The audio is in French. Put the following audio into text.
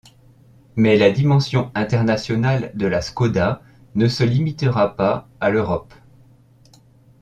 Mais la dimension internationale de la Škoda ne se limitera pas à l’Europe.